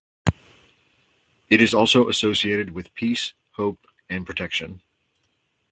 It is also associated with peace, hope, and protection.